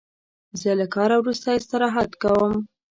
زه له کاره وروسته استراحت کوم.